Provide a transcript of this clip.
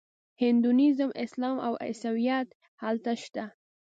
هندویزم اسلام او عیسویت هلته شته.